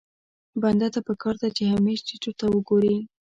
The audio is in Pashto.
بنده ته پکار ده چې همېش ټيټو ته وګوري.